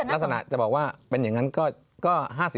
ลักษณะจะบอกว่าเป็นอย่างนั้นก็๕๐